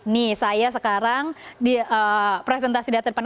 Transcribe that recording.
nih saya sekarang di presentasi data depan